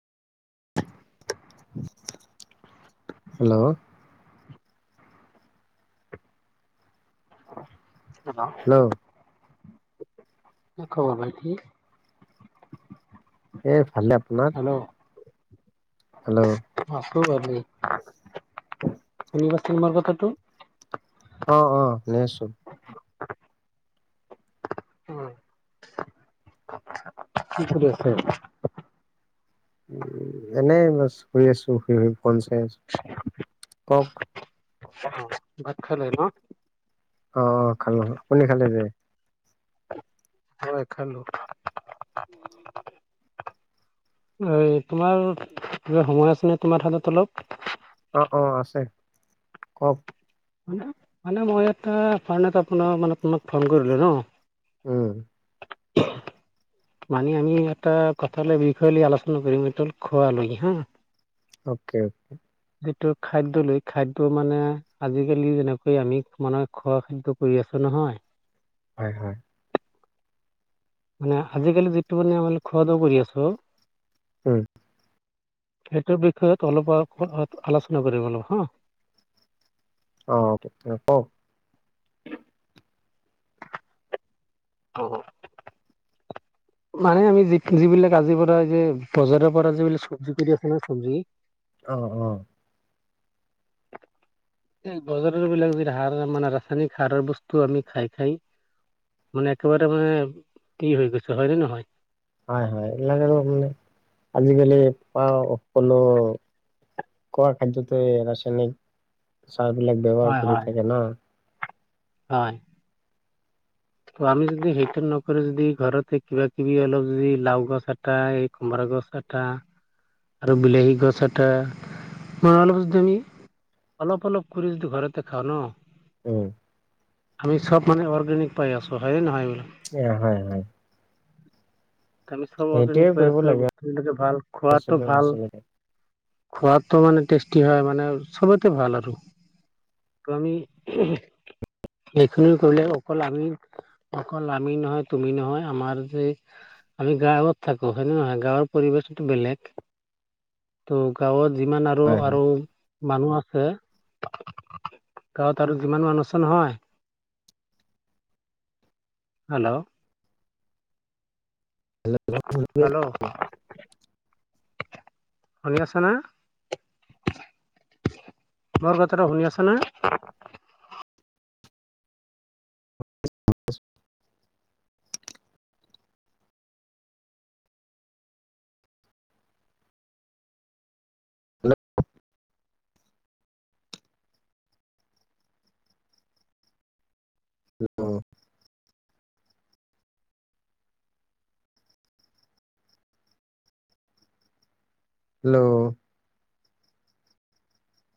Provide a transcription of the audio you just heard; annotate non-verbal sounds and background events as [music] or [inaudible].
Hello hello [unintelligible] কি খবৰ ভাইতি? এ, ভালে। আপোনাৰ হেল্ল' হেল্ল' [unintelligible] শুনি কথাটো। অ, অ, শুনি আছো। উম, কি কৰি আছে? উম, এনেই শুই আছো শুই, শুই ফন চাই আছো। কওক। ভাত খালে ন? অ, অ খালো আপুনি খালে যে এ, খালো। বাৰু তোমাৰ সময় আছে নে তোমাৰ হাতত অলপ। অ, অ আছে কওক। মানে মই এটা আপোনাৰ মানে ফোন কৰিলো ন। উম, মানে আমি এটা কথালৈ বিষয় লৈ আলোচনা কৰিম, এইটো খোৱা লৈ হা। অকে যিটো খাদ্য লৈ খাদ্য মানে, আজিকালি যেনেকৈ আমি মানে খোৱা খাদ্য কৰি আছো। নহয়। হয়, হয়। মানে আজিকালি যিটো মানে আমাৰ খোৱা দোৱা কৰি আছো। উম, সেইটোৰ বিষয়ত অলপ আলোচনা কৰিম অলপ হা। অ, অ, কক অ অ মানে আমি যি যিবিলাক আজিৰ পৰা, এই যে বজাৰৰ পৰা যিবিলাক চব্জি কৰি আছে না চব্জি অ', অ', [unintelligible] এই বজাৰৰ বিলাক যি সাৰ মানে ৰাসায়নিক সাৰৰ বস্তু আমি খাই খাই। মানে একেবাৰে মানে কি হৈ গৈছে হয়নে নহয়। হয়, হয় এইবিলাক মানে আজিকালি পা সকলো খোৱা খাদ্যতে ৰাসায়নিক। সাৰ বিলাক ব্যৱহাৰ হয় কৰি হয় থাকে না। হয়। ত, আমি যদি সেইটো নকৰি, যদি ঘৰতে কিবা কিবি অলপ যদি লাও গছ এটা এ কোমোৰা গছ এটা আৰু বিলাহী গছ এটা লগাব তুমি অলপ, অলপ কৰি যদি ঘৰতে খাও ন। উম, আমি চব মানে অৰ্গেনিক পাই আছো, হয় নে নহয় এ, হয়, হয়। আমি সব সেইটোৱে অৰ্গেনিক হৈ কৰিব আছো লাগে বস্তুবিলাকে ভাল খোৱাত [unintelligible] খোৱাটো মানে টেষ্টি হয় মানে চবেইতে ভাল আৰু কমি সেইখিনি কৰিলে অকল আমি অকল আমি নহয় তুমি নহয় আমাৰ যে আমি গাঁৱত থাকো হয় নে নহয় গাঁৱৰ পৰিৱেশটোতো বেলেগ ত' গাঁৱত যিমান আৰু হয় হয় আৰু মানুহ আছে গাঁৱত আৰু যিমান মানুহ আছে নহয় হেল্ল' হেল্ল' শুনি আছা না? মোৰ কথাটো শুনি আছা না? হেল্ল'